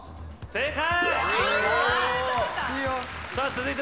正解。